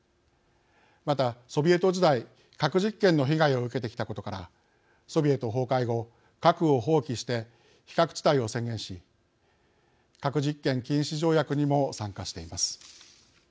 また、ソビエト時代核実験の被害を受けてきたことからソビエト崩壊後核を放棄して、非核地帯を宣言し核兵器禁止条約にも参加しています。